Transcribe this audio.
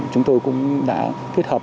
chúng tôi cũng đã kết hợp